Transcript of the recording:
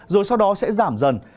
rồi sau đó sẽ giảm dần